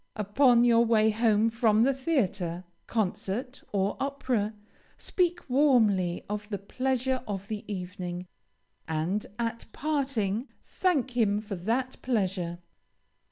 Upon your way home from the theatre, concert, or opera, speak warmly of the pleasure of the evening, and, at parting, thank him for that pleasure.